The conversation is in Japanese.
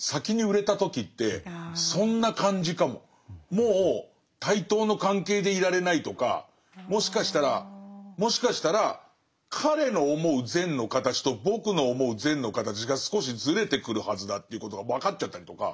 もう対等の関係でいられないとかもしかしたらもしかしたら彼の思う善の形と僕の思う善の形が少しずれてくるはずだということが分かっちゃったりとか。